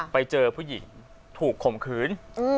ไปเจอผู้หญิงถูกข่มขืน